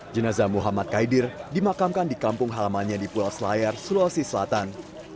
jenazah muhammad kaidir dimakamkan di kampung halamannya di pulau selayar sulawesi selatan